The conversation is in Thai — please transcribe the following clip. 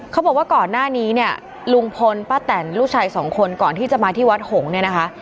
เขาบอกว่าก่อนหน้านี้เนี่ยลุงพลป้าแตนลูกชายสองคนก่อนที่จะมาที่วัดหงษ์เนี่ยนะคะ